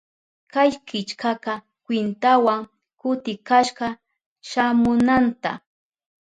Kay killkaka kwintawan kutikashka shamunanta.